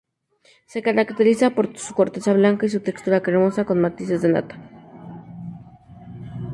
Se caracteriza por su corteza blanca y su textura cremosa, con matices de nata.